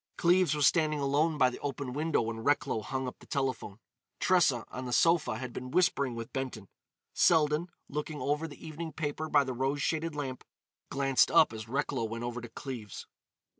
Cleves was standing alone by the open window when Recklow hung up the telephone. Tressa, on the sofa, had been whispering with Benton. Selden, looking over the evening paper by the rose shaded lamp, glanced up as Recklow went over to Cleves.